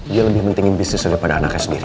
dia lebih pentingin bisnis daripada anaknya sendiri